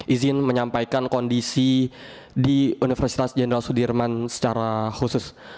izin menyampaikan kondisi di universitas jenderal sudirman secara khusus